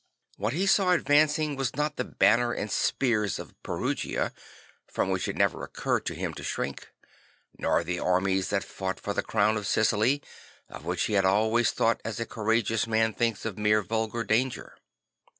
What he saw ad vancing was not the banner and spears of Perugia, from which it never occurred to him to shrink; not the armies that fought for the crown of Sicily, of which he had always thought as a courageous man thinks of mere vulgar danger.